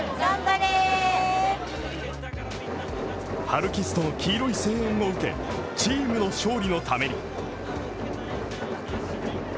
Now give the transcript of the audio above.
ハルキストの黄色い声援を受けチームの勝利のために。